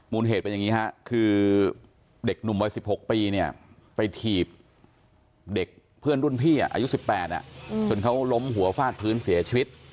เหตุเป็นอย่างนี้ฮะคือเด็กหนุ่มวัย๑๖ปีเนี่ยไปถีบเด็กเพื่อนรุ่นพี่อายุ๑๘จนเขาล้มหัวฟาดพื้นเสียชีวิต